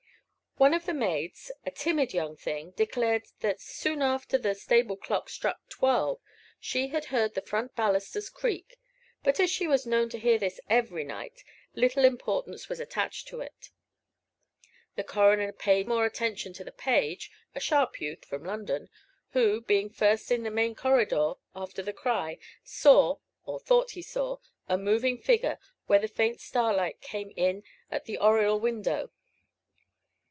One of the maids, a timid young thing, declared that soon after the stable clock struck twelve, she had heard the front balusters creak; but as she was known to hear this every night, little importance was attached to it. The coroner paid more attention to the page (a sharp youth from London), who, being first in the main corridor, after the cry, saw, or thought he saw, a moving figure, where the faint starlight came in at the oriel window.